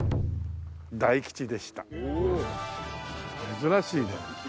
珍しいね。